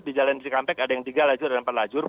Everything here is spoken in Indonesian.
di jalan sikampek ada yang tiga lajur empat lajur